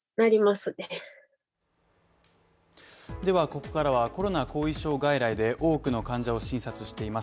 ここからはコロナ後遺症外来で多くの患者を診察しています